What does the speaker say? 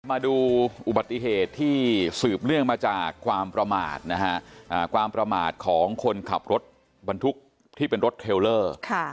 มาดูอุบัติเหตุที่สืบเรื่องมาจากความประมาทของคนขับรถบรรทุกที่เป็นรถเทลเลอร์